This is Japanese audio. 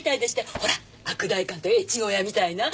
ほら悪代官と越後屋みたいな。